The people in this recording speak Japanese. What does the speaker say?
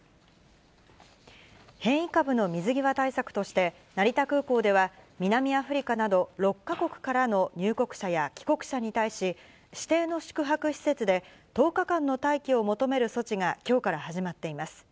変異株の水際対策として成田空港では、南アフリカなど６か国からの入国者や帰国者に対し、指定の宿泊施設で１０日間の待機を求める措置がきょうから始まっています。